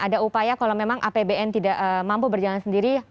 ada upaya kalau memang apbn tidak mampu berjalan sendiri